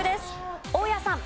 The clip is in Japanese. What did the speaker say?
大家さん。